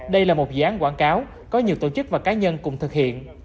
đây là một dự án quảng cáo có nhiều tổ chức và cá nhân cùng thực hiện